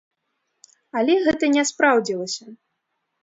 Але гэта не спраўдзілася.